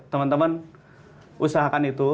teman teman usahakan itu